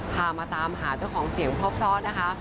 พามาตามหาเจ้าของเสียงเพราะนะคะ